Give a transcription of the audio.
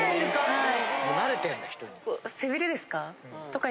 はい。